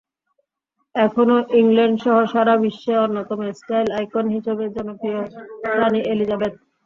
এখনো ইংল্যান্ডসহ সারা বিশ্বে অন্যতম স্টাইল আইকন হিসেবে জনপ্রিয় রানি এলিজাবেথ।